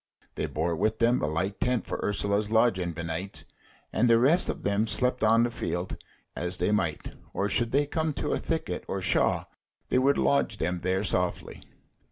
They bore with them a light tent for Ursula's lodging benights, and the rest of them slept on the field as they might; or should they come to a thicket or shaw, they would lodge them there softly.